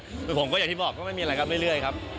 เพราะผมอย่างที่บอกไม่มีอะไรครับไม่เบื่อเลยครับ